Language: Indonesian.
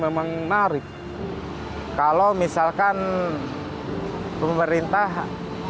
di mana ada tiga rumah yang berada di jawa tenggara